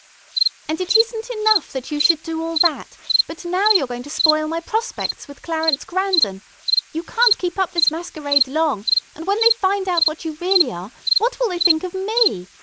"And it isn't enough that you should do all that, but now you're going to spoil my prospects with Clarence Grandon. You can't keep up this masquerade long; and, when they find out what you really are, what will they think of me?